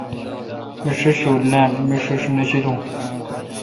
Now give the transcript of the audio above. می ݭیݭ شوُل نان۔۔۔۔می ݭیݭ نہ شیلون